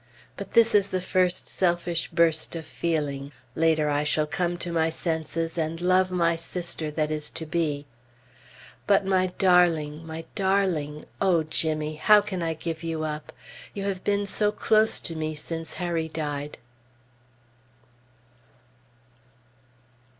But this is the first selfish burst of feeling. Later I shall come to my senses and love my sister that is to be. But my darling! my darling! O Jimmy! How can I give you up? You have been so close to me since Harry died!